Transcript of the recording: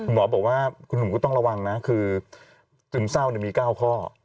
หมอบอกว่าคุณหนุ่มก็ต้องระวังนะคือซึมเศร้ามี๙ข้อ